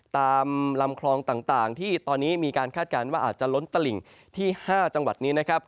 ตามลำคลองต่างที่ตอนนี้มีการคาดการณ์ว่าอาจจะล้นตลิ่งที่๕จังหวัดนี้นะครับ